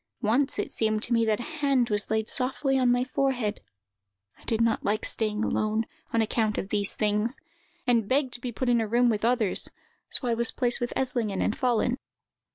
Once it seemed to me that a hand was laid softly on my forehead. I did not like staying alone, on account of these things, and begged to be put into a room with others; so I was placed with Eslingen and Follen.